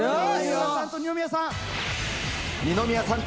山田さんと二宮さん。